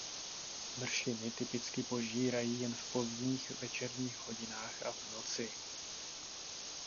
Mršiny typicky požírají jen v pozdních večerních hodinách a v noci.